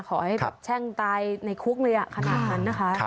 ขอให้แบบแช่งตายในคุกเลยขนาดนั้นนะคะ